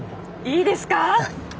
いいですか。